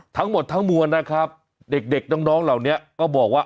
ทั้งหมดทั้งมวลนะครับเด็กน้องเหล่านี้ก็บอกว่า